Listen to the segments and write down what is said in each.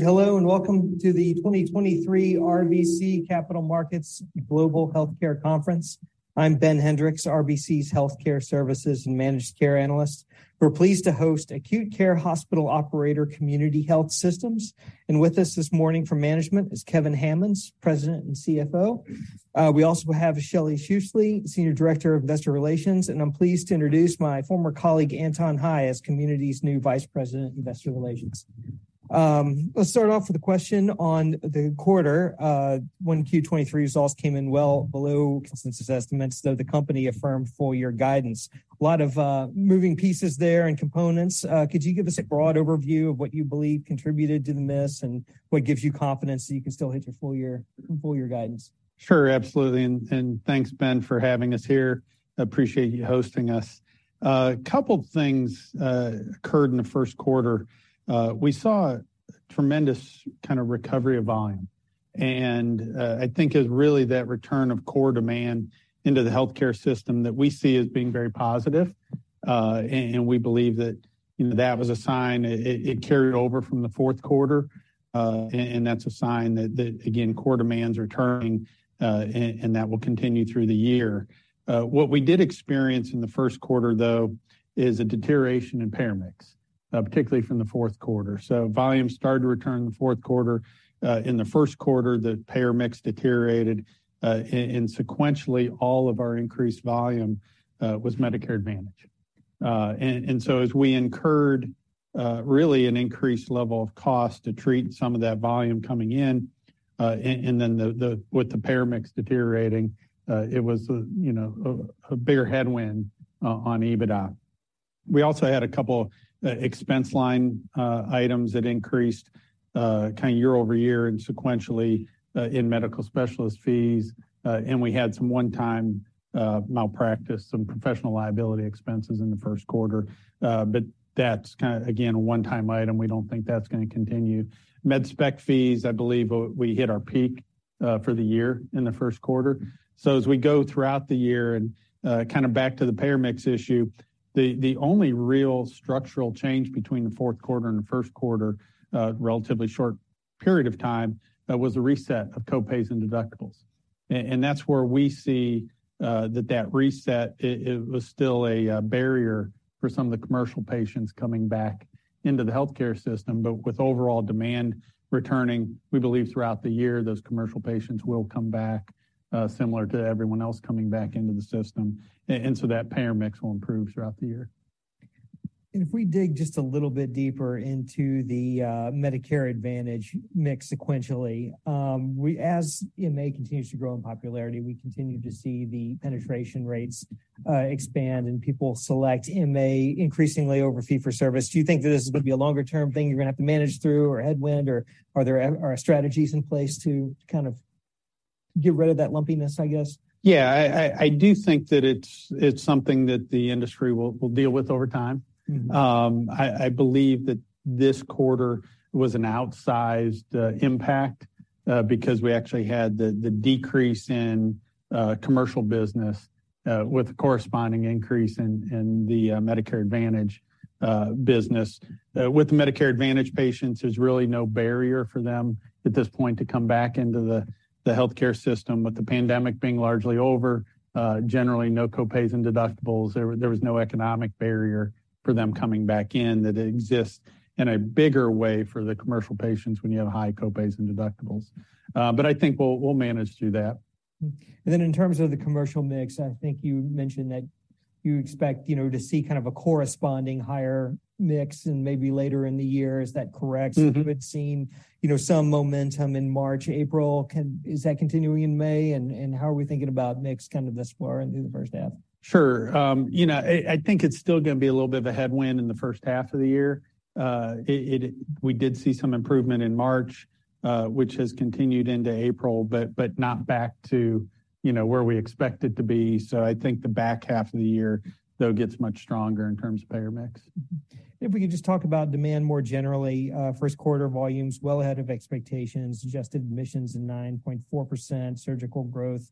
Hello and welcome to the 2023 RBC Capital Markets Global Healthcare Conference. I'm Ben Hendrix, RBC's Healthcare Services and Managed Care Analyst. We're pleased to host acute care hospital operator Community Health Systems. With us this morning from management is Kevin Hammons, President and CFO. We also have Shelly Schussele, Senior Director of Investor Relations, and I'm pleased to introduce my former colleague, Anton Hie, as Community's new Vice President, Investor Relations. Let's start off with a question on the quarter, when Q 23 results came in well below consensus estimates, though the company affirmed full-year guidance. A lot of moving pieces there and components. Could you give us a broad overview of what you believe contributed to the miss and what gives you confidence that you can still hit your full-year guidance? Sure. Absolutely. Thanks, Ben, for having us here. Appreciate you hosting us. A couple things occurred in the first quarter. We saw tremendous kind of recovery of volume. I think it's really that return of core demand into the healthcare system that we see as being very positive. We believe that, you know, that was a sign it carried over from the fourth quarter. That's a sign that again, core demands are turning, and that will continue through the year. What we did experience in the first quarter though, is a deterioration in payer mix, particularly from the fourth quarter. Volume started to return in the fourth quarter. In the first quarter, the payer mix deteriorated, and sequentially, all of our increased volume was Medicare Advantage. As we incurred, really an increased level of cost to treat some of that volume coming in, and then the with the payer mix deteriorating, it was a, you know, a bigger headwind on EBITDA. We also had a couple, expense line, items that increased, kinda year-over-year and sequentially, in medical specialist fees. We had some one-time, malpractice, some professional liability expenses in the first quarter. That's kinda again, a one-time item. We don't think that's gonna continue. Med spec fees, I believe we hit our peak for the year in the first quarter. As we go throughout the year and kinda back to the payer mix issue, the only real structural change between the fourth quarter and the first quarter, relatively short period of time, was a reset of copays and deductibles. That's where we see that reset, it was still a barrier for some of the commercial patients coming back into the healthcare system. With overall demand returning, we believe throughout the year, those commercial patients will come back, similar to everyone else coming back into the system. That payer mix will improve throughout the year. If we dig just a little bit deeper into the Medicare Advantage mix sequentially, as MA continues to grow in popularity, we continue to see the penetration rates expand and people select MA increasingly over fee for service. Do you think that this is gonna be a longer term thing you're gonna have to manage through or headwind, or are there strategies in place to kind of get rid of that lumpiness, I guess? Yeah, I do think that it's something that the industry will deal with over time. Mm-hmm. I believe that this quarter was an outsized impact because we actually had the decrease in commercial business with a corresponding increase in the Medicare Advantage business. With the Medicare Advantage patients, there's really no barrier for them at this point to come back into the healthcare system. With the pandemic being largely over, generally no copays and deductibles. There was no economic barrier for them coming back in that exists in a bigger way for the commercial patients when you have high copays and deductibles. I think we'll manage through that. In terms of the commercial mix, I think you mentioned that you expect, you know, to see kind of a corresponding higher mix and maybe later in the year. Is that correct? Mm-hmm. You had seen, you know, some momentum in March, April. Is that continuing in May? How are we thinking about mix kind of thus far into the first half? Sure. you know, I think it's still gonna be a little bit of a headwind in the first half of the year. We did see some improvement in March, which has continued into April, but not back to, you know, where we expect it to be. I think the back half of the year, though, gets much stronger in terms of payer mix. If we could just talk about demand more generally. First quarter volumes, well ahead of expectations. Adjusted admissions in 9.4%. Surgical growth,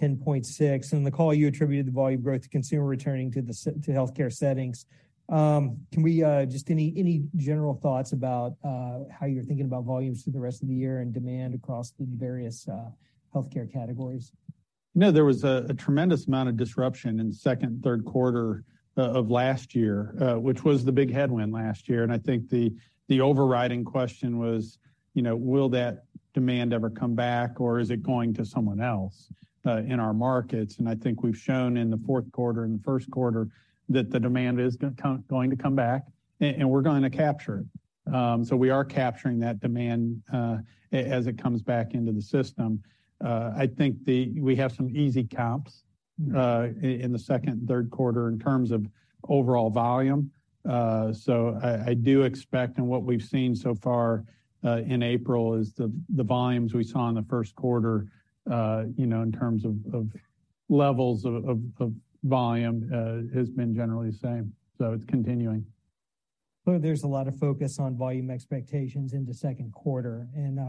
10.6%. In the call you attributed the volume growth to consumer returning to healthcare settings. Can we just any general thoughts about how you're thinking about volumes through the rest of the year and demand across the various healthcare categories? No, there was a tremendous amount of disruption in second, third quarter of last year, which was the big headwind last year. I think the overriding question was, you know, will that demand ever come back, or is it going to someone else in our markets? I think we've shown in the fourth quarter and the first quarter that the demand is going to come back and we're going to capture it. We are capturing that demand as it comes back into the system. I think we have some easy comps in the second, third quarter in terms of overall volume. I do expect and what we've seen so far in April is the volumes we saw in the first quarter, you know, in terms of levels of volume, has been generally the same. It's continuing. There's a lot of focus on volume expectations into second quarter, and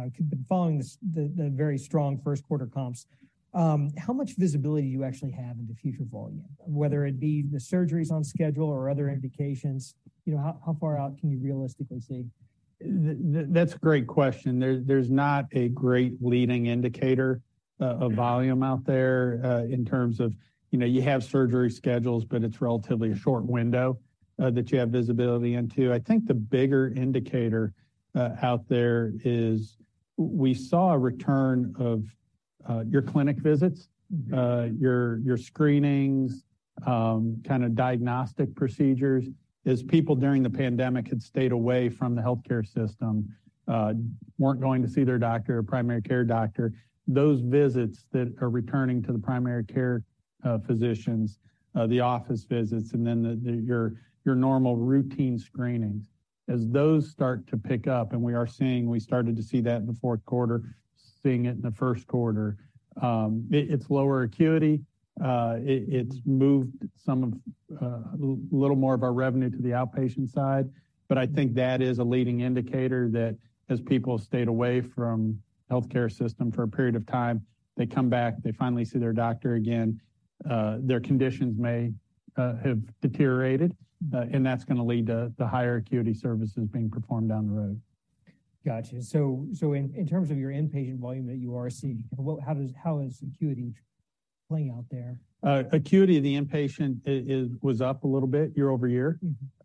following the very strong first quarter comps, how much visibility do you actually have into future volume, whether it be the surgeries on schedule or other indications? You know, how far out can you realistically see? That's a great question. There's not a great leading indicator of volume out there, in terms of, you know, you have surgery schedules, but it's relatively a short window that you have visibility into. I think the bigger indicator out there is we saw a return of your clinic visits, your screenings, kind of diagnostic procedures. As people during the pandemic had stayed away from the healthcare system, weren't going to see their doctor or primary care doctor. Those visits that are returning to the primary care physicians, the office visits, and then the your normal routine screenings. As those start to pick up, and we are seeing, we started to see that in the fourth quarter, seeing it in the first quarter. It's lower acuity. It's moved some of, a little more of our revenue to the outpatient side. I think that is a leading indicator that as people stayed away from healthcare system for a period of time, they come back, they finally see their doctor again, their conditions may have deteriorated, and that's going to lead to the higher acuity services being performed down the road. Gotcha. In terms of your inpatient volume that you are seeing, how is acuity playing out there? Acuity of the inpatient was up a little bit year-over-year.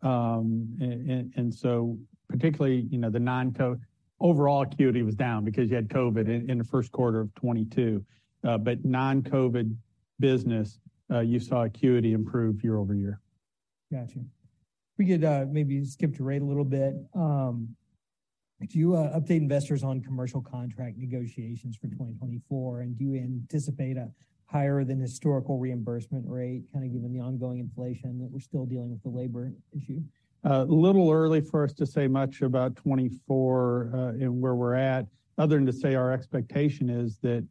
Mm-hmm. Particularly, you know, the non-COVID, overall acuity was down because you had COVID in the first quarter of 2022. Non-COVID business, you saw acuity improve year-over-year. Got you. If we could, maybe skip to rate a little bit. Do you update investors on commercial contract negotiations for 2024? Do you anticipate a higher than historical reimbursement rate, kind of given the ongoing inflation that we're still dealing with the labor issue? A little early for us to say much about 2024 and where we're at, other than to say our expectation is that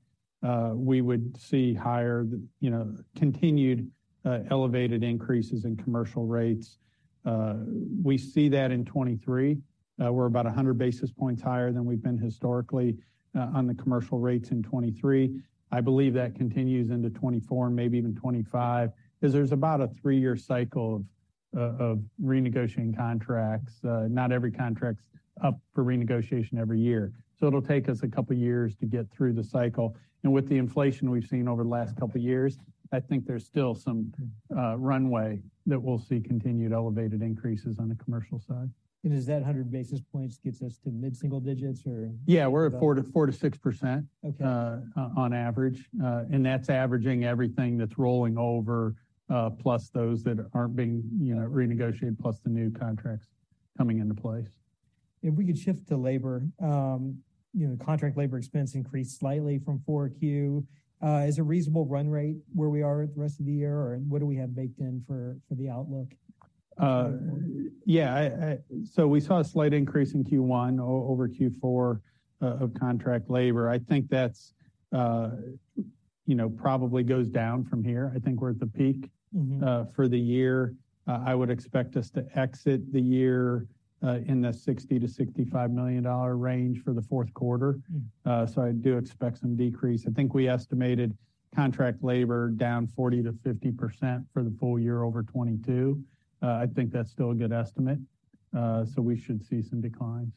we would see higher than, you know, continued elevated increases in commercial rates. We see that in 2023. We're about 100 basis points higher than we've been historically on the commercial rates in 2023. I believe that continues into 2024 and maybe even 2025, 'cause there's about a three-year cycle of renegotiating contracts. Not every contract's up for renegotiation every year. It'll take us a couple of years to get through the cycle. With the inflation we've seen over the last couple of years, I think there's still some runway that we'll see continued elevated increases on the commercial side. Does that 100 basis points gets us to mid-single digits, or? Yeah. We're at 4%-6%. Okay. On average. That's averaging everything that's rolling over, plus those that aren't being, you know, renegotiated, plus the new contracts coming into place. If we could shift to labor. you know, contract labor expense increased slightly from 4Q. Is a reasonable run rate where we are at the rest of the year, or what do we have baked in for the outlook? Yeah. We saw a slight increase in Q1 over Q4 of contract labor. I think that's, you know, probably goes down from here. I think we're at the peak. Mm-hmm. For the year. I would expect us to exit the year, in the $60 million-$65 million range for the fourth quarter. Mm. I do expect some decrease. I think we estimated contract labor down 40% to 50% for the full year over 2022. I think that's still a good estimate. We should see some declines.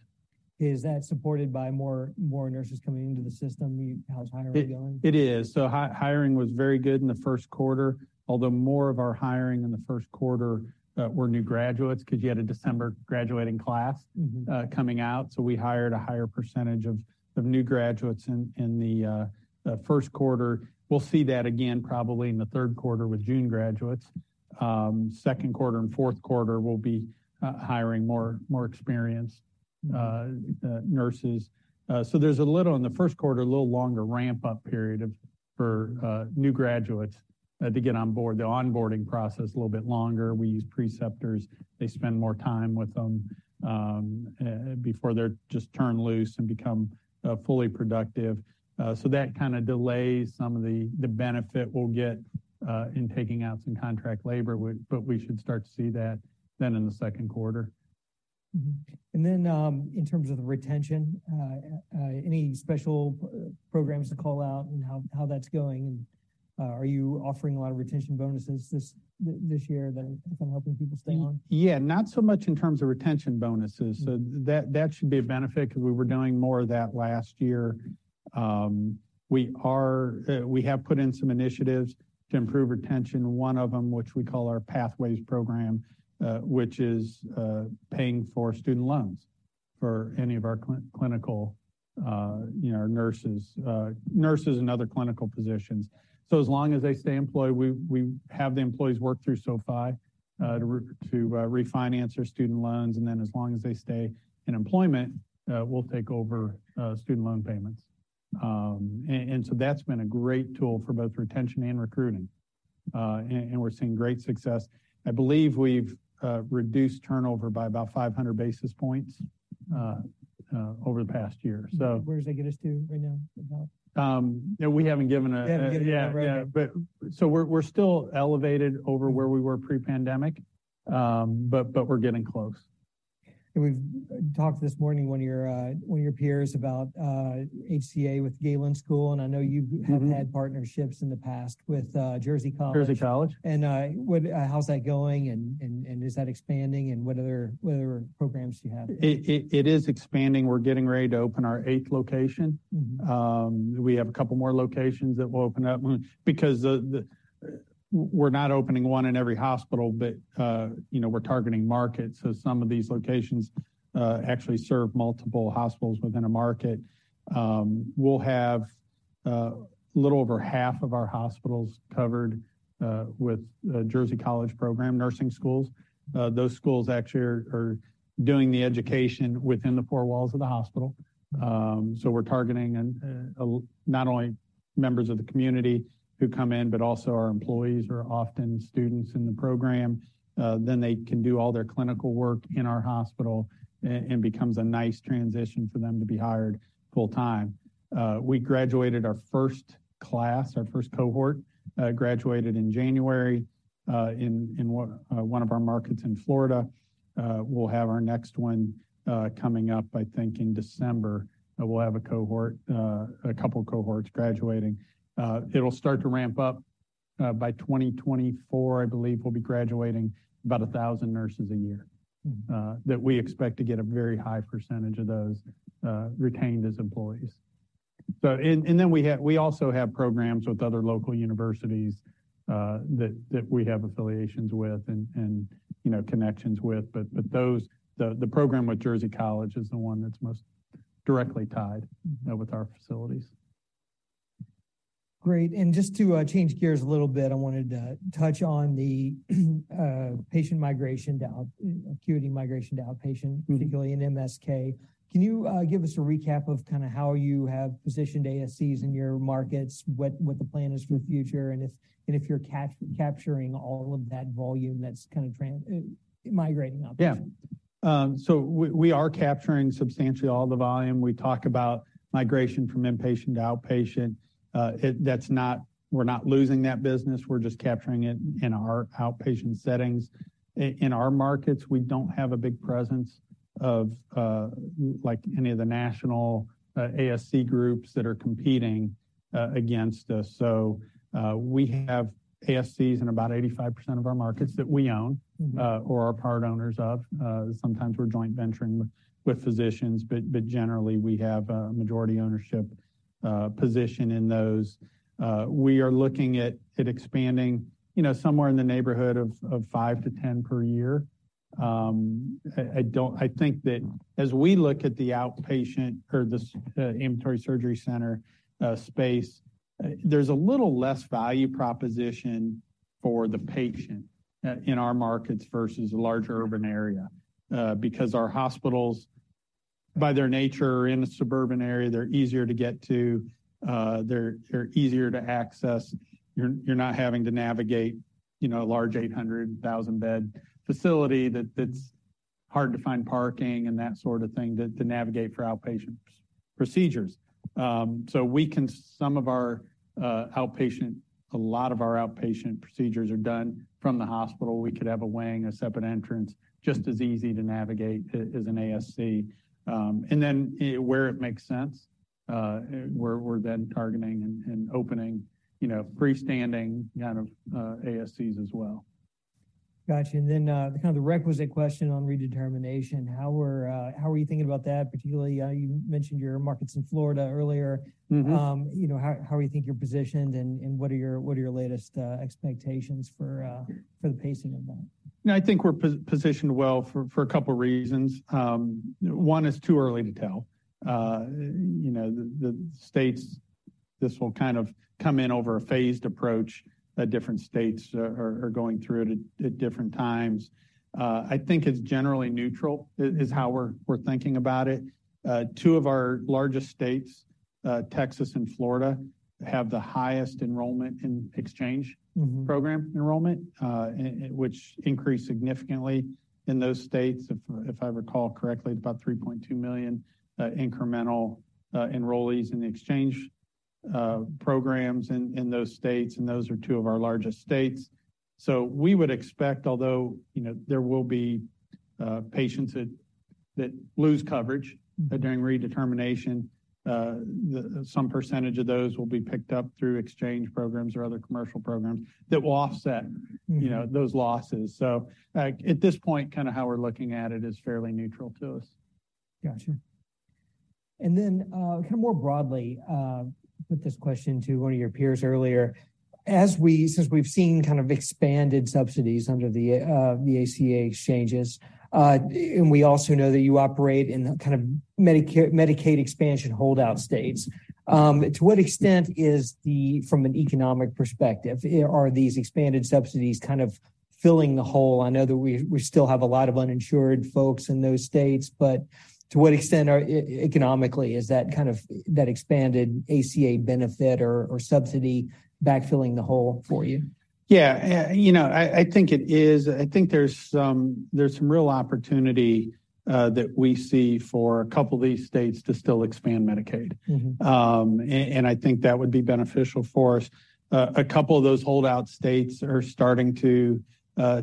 Is that supported by more nurses coming into the system? How's hiring going? It is. Hiring was very good in the first quarter, although more of our hiring in the first quarter, were new graduates because you had a December graduating class. Mm-hmm. Coming out, we hired a higher percentage of new graduates in the first quarter. We'll see that again probably in the third quarter with June graduates. Second quarter and fourth quarter will be hiring more experienced nurses. There's a little longer ramp-up period in the first quarter for new graduates to get on board. The onboarding process is a little bit longer. We use preceptors. They spend more time with them before they're just turned loose and become fully productive. That kind of delays some of the benefit we'll get in taking out some contract labor, but we should start to see that then in the second quarter. Then, in terms of the retention, any special programs to call out and how that's going? Are you offering a lot of retention bonuses this year that are helping people stay on? Yeah, not so much in terms of retention bonuses. Mm. That should be a benefit because we were doing more of that last year. We have put in some initiatives to improve retention. One of them, which we call our Pathways program, which is paying for student loans for any of our clinical, you know, nurses and other clinical positions. As long as they stay employed, we have the employees work through SoFi, to refinance their student loans, and then as long as they stay in employment, we'll take over student loan payments. That's been a great tool for both retention and recruiting. We're seeing great success. I believe we've reduced turnover by about 500 basis points over the past year. Where does that get us to right now, about? Yeah, we haven't given. You haven't given it right. Yeah. Yeah. We're still elevated over where we were pre-pandemic, but we're getting close. We've talked this morning, one of your peers about, HCA with Galen School, and I know. Mm-hmm. Have had partnerships in the past with, Jersey College. Jersey College. What, how's that going, and is that expanding, and what other programs do you have? It is expanding. We're getting ready to open our eighth location. Mm-hmm. We have a couple more locations that will open up. We're not opening one in every hospital, but, you know, we're targeting markets. Some of these locations actually serve multiple hospitals within a market. We'll have a little over half of our hospitals covered with a Jersey College program, nursing schools. Those schools actually are doing the education within the four walls of the hospital. We're targeting not only members of the community who come in, but also our employees are often students in the program. They can do all their clinical work in our hospital and becomes a nice transition for them to be hired full-time. We graduated our first class. Our first cohort graduated in January in one of our markets in Florida. We'll have our next one coming up, I think, in December. We'll have a cohort, a couple cohorts graduating. It'll start to ramp up by 2024, I believe, we'll be graduating about 1,000 nurses a year. Mm-hmm. That we expect to get a very high percentage of those retained as employees. We also have programs with other local universities that we have affiliations with and, you know, connections with. The program with Jersey College is the one that's most directly tied with our facilities. Great. Just to change gears a little bit, I wanted to touch on the acuity migration to outpatient. Mm-hmm. Particularly in MSK. Can you give us a recap of kind of how you have positioned ASCs in your markets, what the plan is for the future, and if, and if you're capturing all of that volume that's kind of migrating outpatient? Yeah. We, we are capturing substantially all the volume. We talk about migration from inpatient to outpatient. We're not losing that business. We're just capturing it in our outpatient settings. In our markets, we don't have a big presence of, like, any of the national ASC groups that are competing against us. We have ASCs in about 85% of our markets that we own. Mm-hmm. Or are part owners of. Sometimes we're joint venturing with physicians, but generally, we have a majority ownership position in those. We are looking at expanding, you know, somewhere in the neighborhood of five to 10 per year. I think that as we look at the outpatient or the ambulatory surgery center space, there's a little less value proposition for the patient in our markets versus a larger urban area because our hospitals, by their nature, are in a suburban area. They're easier to get to, they're easier to access. You're not having to navigate, you know, a large 800,000-bed facility that's hard to find parking and that sort of thing to navigate for outpatient procedures. Some of our outpatient, a lot of our outpatient procedures are done from the hospital. We could have a wing, a separate entrance, just as easy to navigate as an ASC. Where it makes sense, we're then targeting and opening, you know, freestanding kind of, ASCs as well. Got you. Kind of the requisite question on redetermination. How are you thinking about that, particularly, you mentioned your markets in Florida earlier? Mm-hmm. You know, how do you think you're positioned and what are your latest expectations for the pacing of that? I think we're positioned well for a couple reasons. One, it's too early to tell. You know, the states, this will kind of come in over a phased approach that different states are going through it at different times. I think it's generally neutral is how we're thinking about it. Two of our largest states, Texas and Florida, have the highest enrollment in Exchange. Mm-hmm. Program enrollment, and which increased significantly in those states. If I recall correctly, it's about $3.2 million incremental enrollees in the exchange programs in those states, and those are two of our largest states. We would expect, although, you know, there will be patients that lose coverage during redetermination, some percentage of those will be picked up through exchange programs or other commercial programs that will offset. Mm-hmm. You know, those losses. At this point, kind of how we're looking at it is fairly neutral to us. Got you. Kind of more broadly, put this question to one of your peers earlier. Since we've seen kind of expanded subsidies under the ACA Exchanges, and we also know that you operate in the kind of Medicaid expansion holdout states, to what extent is the, from an economic perspective, are these expanded subsidies kind of filling the hole? I know that we still have a lot of uninsured folks in those states, but to what extent economically is that kind of, that expanded ACA benefit or subsidy backfilling the hole for you? Yeah. You know, I think it is. I think there's some real opportunity that we see for a couple of these states to still expand Medicaid. Mm-hmm. I think that would be beneficial for us. A couple of those holdout states are starting to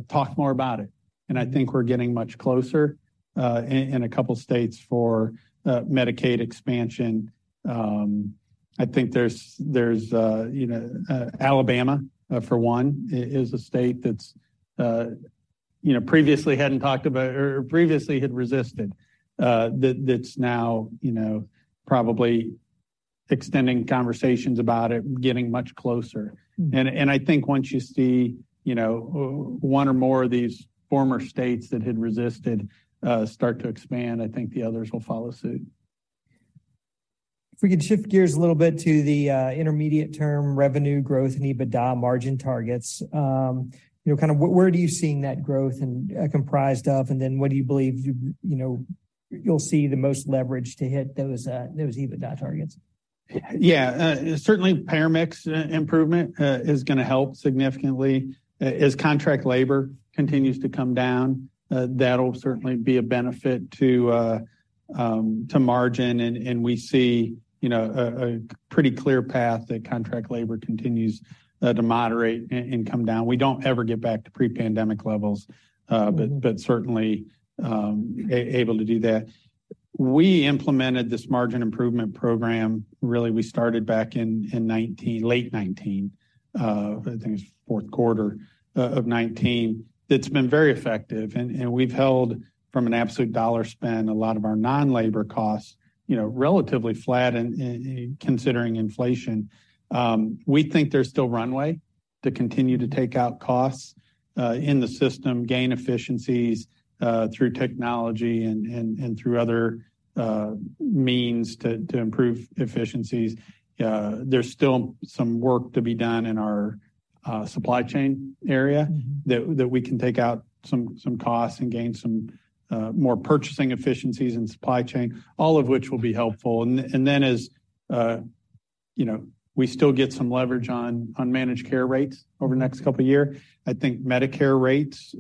talk more about it, and I think we're getting much closer in a couple states for Medicaid expansion. I think there's, you know, Alabama for one, is a state that's, you know, previously hadn't talked about or previously had resisted, that's now, you know, probably extending conversations about it, getting much closer. I think once you see, you know, one or more of these former states that had resisted, start to expand, I think the others will follow suit. If we could shift gears a little bit to the intermediate term revenue growth and EBITDA margin targets, you know, kind of where are you seeing that growth and comprised of, and then what do you believe, you know, you'll see the most leverage to hit those EBITDA targets? Yeah. Certainly payer mix improvement is gonna help significantly. As contract labor continues to come down, that'll certainly be a benefit to margin. We see, you know, a pretty clear path that contract labor continues to moderate and come down. We don't ever get back to pre-pandemic levels. Mm-hmm. Certainly, able to do that. We implemented this margin improvement program, really, we started back in 2019, late 2019, I think it was fourth quarter of 2019. It's been very effective. We've held from an absolute dollar spend, a lot of our non-labor costs, you know, relatively flat in considering inflation. We think there's still runway to continue to take out costs in the system, gain efficiencies through technology and through other means to improve efficiencies. There's still some work to be done in our supply chain area. Mm-hmm. that we can take out some costs and gain some more purchasing efficiencies in supply chain, all of which will be helpful. Then as, you know, we still get some leverage on managed care rates over the next couple of year. I think Medicare rates,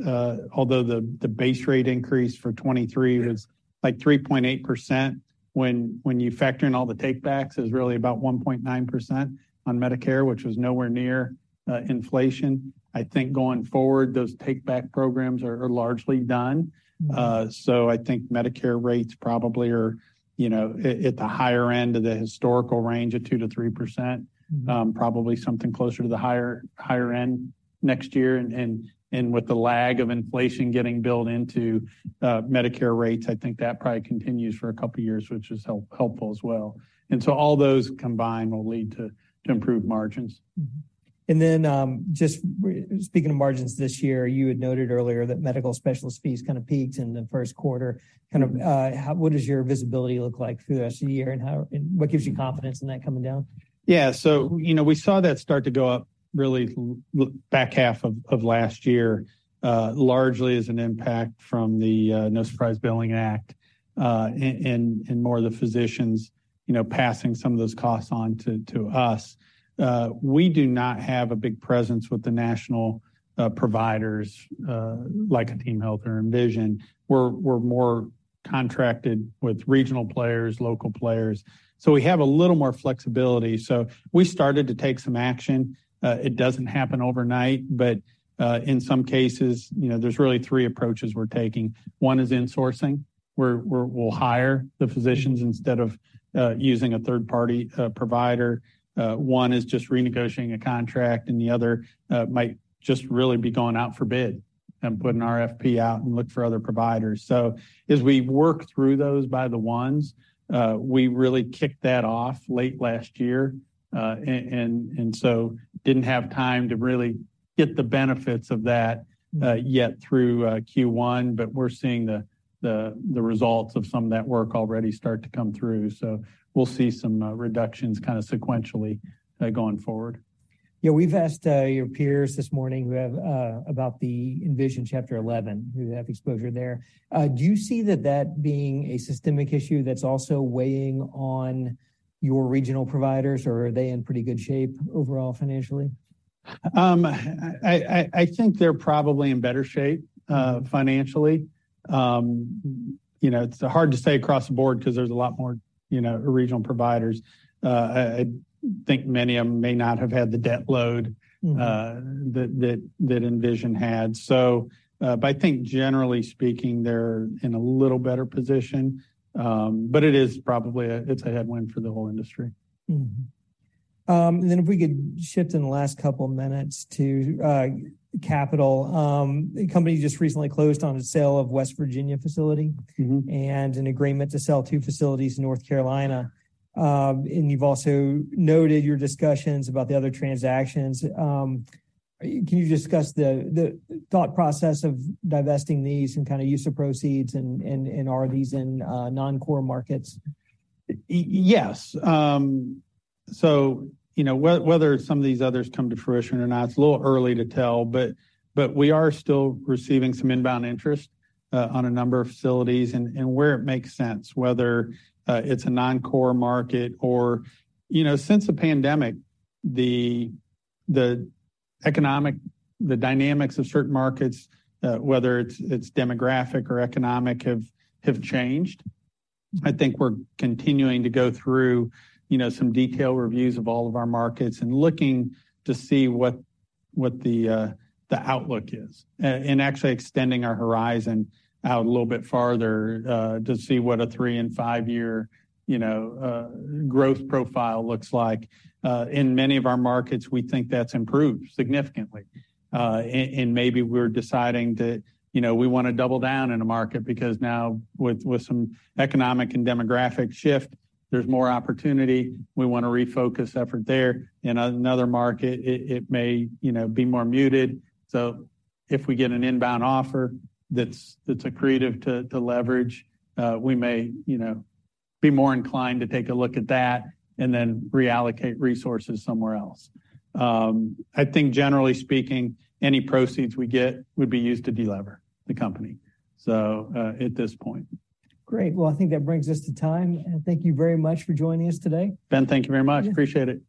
although the base rate increase for 23 was like 3.8%, when you factor in all the take backs, is really about 1.9% on Medicare, which was nowhere near inflation. I think going forward, those take back programs are largely done. Mm-hmm. I think Medicare rates probably are, you know, at the higher end of the historical range of 2%-3%. probably something closer to the higher end next year. With the lag of inflation getting built into Medicare rates, I think that probably continues for a couple of years, which is helpful as well. All those combined will lead to improved margins. Speaking of margins this year, you had noted earlier that medical specialist fees kinda peaked in the first quarter. Kind of, what does your visibility look like through the rest of the year, and how, and what gives you confidence in that coming down? Yeah. you know, we saw that start to go up really back half of last year, largely as an impact from the No Surprises Act, and more of the physicians, you know, passing some of those costs on to us. We do not have a big presence with the national providers, like a TeamHealth or Envision. We're more contracted with regional players, local players. We have a little more flexibility. We started to take some action. It doesn't happen overnight, but in some cases, you know, there's really three approaches we're taking. One is insourcing, where we'll hire the physicians instead of using a third-party provider. One is just renegotiating a contract, and the other might just really be going out for bid and putting RFP out and look for other providers. As we work through those by the ones, we really kicked that off late last year. Didn't have time to really get the benefits of that yet through Q1, but we're seeing the results of some of that work already start to come through. We'll see some reductions kinda sequentially going forward. Yeah. We've asked your peers this morning about the Envision Chapter 11, who have exposure there. Do you see that being a systemic issue that's also weighing on your regional providers, or are they in pretty good shape overall financially? I think they're probably in better shape, financially. You know, it's hard to say across the board because there's a lot more, you know, regional providers. I think many of them may not have had the debt load. Mm-hmm. That Envision had. I think generally speaking, they're in a little better position. It is probably a, it's a headwind for the whole industry. If we could shift in the last couple of minutes to capital. The company just recently closed on a sale of West Virginia facility. Mm-hmm. An agreement to sell two facilities in North Carolina. And you've also noted your discussions about the other transactions. Can you discuss the thought process of divesting these and kinda use of proceeds and are these in non-core markets? Yes. You know, whether some of these others come to fruition or not, it's a little early to tell. We are still receiving some inbound interest on a number of facilities and where it makes sense, whether it's a non-core market or. You know, since the pandemic, the economic, the dynamics of certain markets, whether it's demographic or economic, have changed. I think we're continuing to go through, you know, some detailed reviews of all of our markets and looking to see what the outlook is, and actually extending our horizon out a little bit farther to see what a three and five year, you know, growth profile looks like. In many of our markets, we think that's improved significantly. Maybe we're deciding to, you know, we wanna double down in a market because now with some economic and demographic shift, there's more opportunity. We wanna refocus effort there. In another market, it may, you know, be more muted. If we get an inbound offer that's accretive to leverage, we may, you know, be more inclined to take a look at that and then reallocate resources somewhere else. I think generally speaking, any proceeds we get would be used to deliver the company, so, at this point. Great. Well, I think that brings us to time. Thank you very much for joining us today. Ben, thank you very much. Appreciate it.